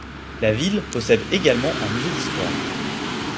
La ville possède également un musée d'histoire.